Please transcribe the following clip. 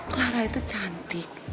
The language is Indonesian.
clara itu cantik